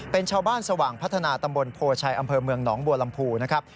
เป็นชาวบ้านสว่างพัฒนาตำบลโพชัยอำเภอเมืองหนองบัวลำพูนะครับ